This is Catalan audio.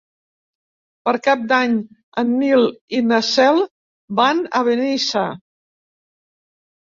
Per Cap d'Any en Nil i na Cel van a Benissa.